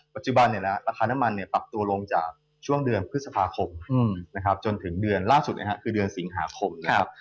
ปัจจุบันเนี่ยนะราคาน้ำมันเนี่ยปรับตัวลงจากช่วงเดือนพฤษภาคมนะครับจนถึงเดือนล่าสุดนะครับคือเดือนสิงหาคมนะครับ